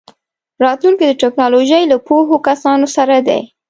راتلونکی د ټیکنالوژۍ له پوهو کسانو سره دی.